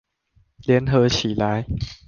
聯合起來！